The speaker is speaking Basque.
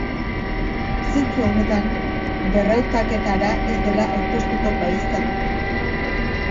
Zentzu honetan, berrautaketara ez dela aurkeztuko baieztatu du.